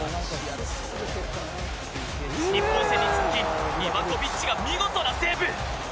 日本戦に続きリバコビッチが見事なセーブ！